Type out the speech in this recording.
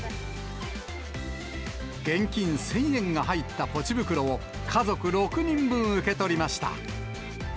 現金１０００円が入ったポチ袋を、家族６人分受け取りました。